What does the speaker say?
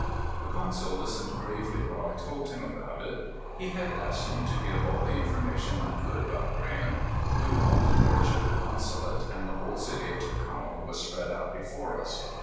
The consul listened gravely while I told him about it. He had asked me to give all the information I could about Graham. We were on the porch of the consulate and the whole city of Ticao was spread out before us.